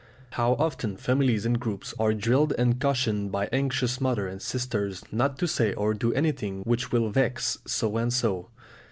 How often families and groups are drilled and cautioned by anxious mothers and sisters not to say or do anything which will vex so and so!